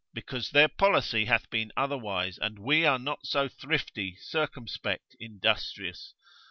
because their policy hath been otherwise, and we are not so thrifty, circumspect, industrious.